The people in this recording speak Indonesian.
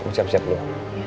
kamu siap siap dulu